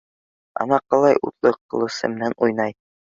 Ана ҡалай утлы ҡылысы менән уйнай!